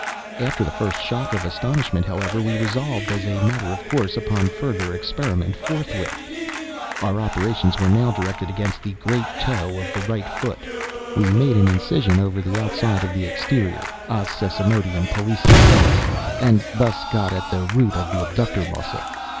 After the first shock of astonishment, however, we resolved, as a matter of course, upon further experiment forthwith. Our operations were now directed against the great toe of the right foot. We made an incision over the outside of the exterior os sesamoideum pollicis pedis, and thus got at the root of the abductor muscle.